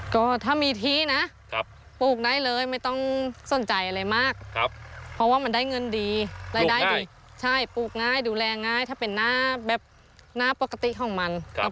ก็ถ้ามีที่นะปลูกได้เลยไม่ต้องสนใจอะไรมากเพราะว่ามันได้เงินดีรายได้ดีใช่ปลูกง่ายดูแลง่ายถ้าเป็นหน้าแบบหน้าปกติของมัน